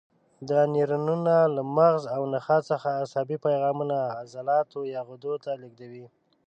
دا نیورونونه له مغز او نخاع څخه عصبي پیغامونه عضلاتو یا غدو ته لېږدوي.